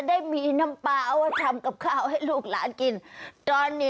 ได้เดินออกไปซื้อแล้วอ่ะก็เป็นความคิดที่สุดยอดจริงนะคะ